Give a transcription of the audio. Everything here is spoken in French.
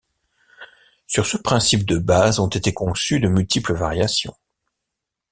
Sur ce principe de base ont été conçues de multiples variations.